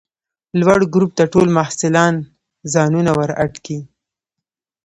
لوړ ګروپ ته ټوله محصلان ځانونه ور اډ کئ!